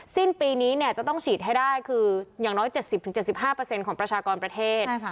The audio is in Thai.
สิ้นปีนี้จะต้องฉีดให้ได้คืออย่างน้อย๗๐๗๕ของประชากรประเทศ